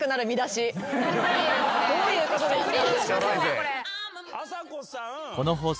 どういうことですか？